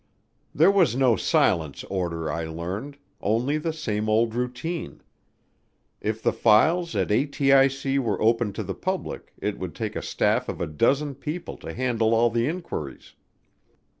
There was no "silence" order I learned, only the same old routine. If the files at ATIC were opened to the public it would take a staff of a dozen people to handle all the inquiries.